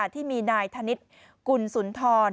ที่มีนายธนิษฐ์กุลสุนทร